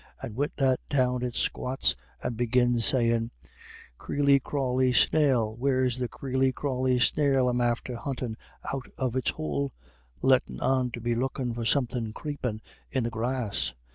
And wid that down it squats, and begins sayin', 'Creely crawly snail where's the creely crawly snail I'm after huntin' out of its houle?' lettin' on to be lookin' for somethin' creepin' in the grass.